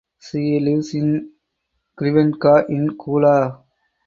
She lives in Crvenka in Kula.